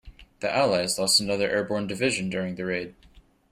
The allies lost another airborne division during the raid.